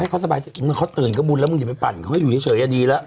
อ๋อให้เขาสบายเจ๋งถ้าเขาตื่นก็บุญแล้วมึงจะไม่ปั่นเขาให้อยู่เฉยอะดีแล้ว